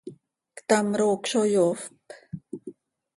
Ctam roocö zo yoofp.